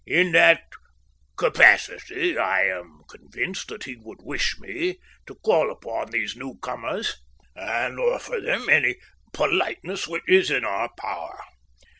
In that capacity I am convinced that he would wish me to call upon these newcomers and offer them any politeness which is in our power.